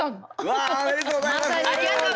ありがとうございます！